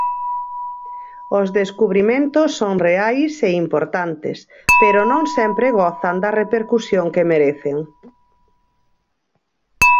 Os descubrimentos son reais e importantes, pero non sempre gozan da repercusión que merecen.